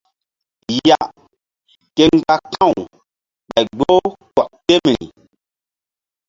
Ya ke mgba ka̧w ɓay gboh kɔk temri.